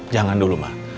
jangan dulu ma